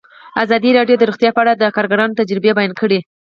ازادي راډیو د روغتیا په اړه د کارګرانو تجربې بیان کړي.